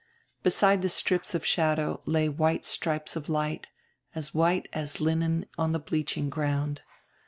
Beside the strips of shadow lay white strips of light, as white as linen on the bleaching ground.